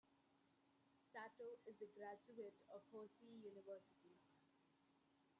Sato is a graduate of Hosei University.